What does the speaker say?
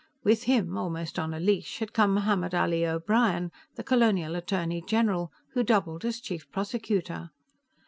With him, almost on a leash, had come Mohammed Ali O'Brien, the Colonial Attorney General, who doubled as Chief Prosecutor.